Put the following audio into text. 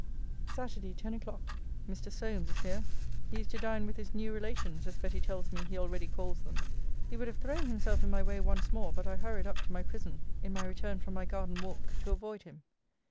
SATURDAY, TEN O'CLOCK. Mr. Solmes is here. He is to dine with his new relations, as Betty tells me he already calls them. He would have thrown himself in my way once more: but I hurried up to my prison, in my return from my garden walk, to avoid him.